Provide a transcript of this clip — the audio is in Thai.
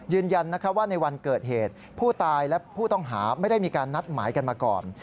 ยืนยันว่าในวันเกิดเหตุผู้ตายและผู้ต้องหาไม่ได้มีการนัดหมายกันมาก่อน